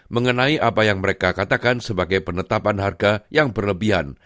mengenai apa yang mereka katakan sebagai penetapan harga yang berlebihan